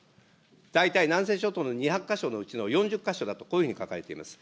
大体南西諸島の２００か所のうちの４０か所だとこういうふうに書かれています。